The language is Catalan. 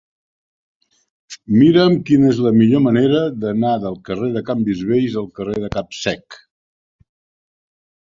Mira'm quina és la millor manera d'anar del carrer dels Canvis Vells al carrer de Capsec.